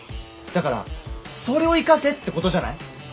だからそれを生かせってことじゃない？